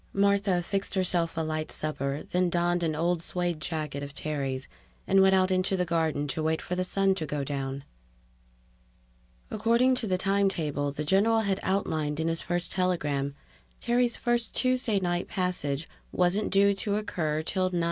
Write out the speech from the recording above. Martha fixed herself a light supper, then donned an old suede jacket of Terry's and went out into the garden to wait for the sun to go down. According to the time table the general had outlined in his first telegram, Terry's first Tuesday night passage wasn't due to occur till 9:05.